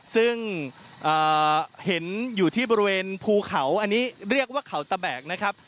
ซึ่งเห็นอยู่ที่บริเวณภูเขาอันนี้เรียกว่าเขาตะแบกนะครับ